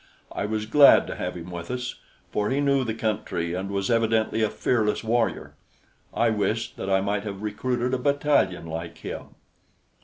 I was glad to have him with us, for he knew the country and was evidently a fearless warrior. I wished that I might have recruited a battalion like him.